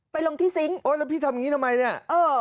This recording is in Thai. ลงที่ซิงค์โอ้ยแล้วพี่ทำอย่างนี้ทำไมเนี่ยเออ